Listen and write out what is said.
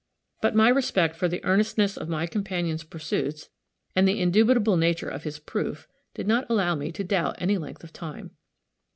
But my respect for the earnestness of my companion's pursuits, and the indubitable nature of his proof, did not allow me to doubt any length of time.